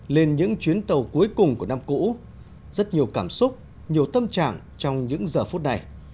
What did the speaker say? lên những chuyến tàu cuối cùng của năm cũ rất nhiều cảm xúc nhiều tâm trạng trong những giờ phút này